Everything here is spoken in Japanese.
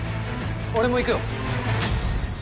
俺も行くよ。